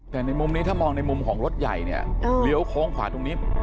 แต่ในมุมนี้ถ้ามองในมุมของรถใหญ่เนี่ยเลี้ยวโค้งขวาตรงนี้